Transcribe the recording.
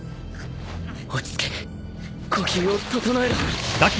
落ち着け呼吸を整えろ